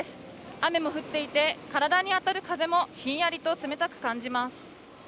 雨も降っていて体に当たる風もヒンヤリと冷たく感じます。